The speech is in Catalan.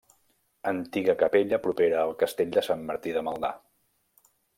Antiga capella propera al castell de Sant Martí de Maldà.